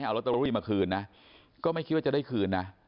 เอาลอตเตอรี่มาคืนนะก็ไม่คิดว่าจะได้คืนนะ